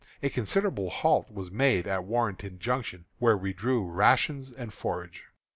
A considerable halt was made at Warrenton Junction, where we drew rations and forage.